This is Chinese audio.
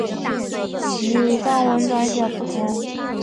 与藏文转写不同。